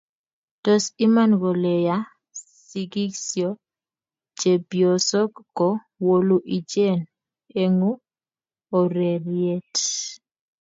tos iman kole ya sigisyo chepyosok ko wolu icheken eng' ureriet